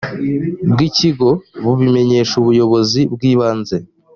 bw ikigo bubimenyesha ubuyobozi bw ibanze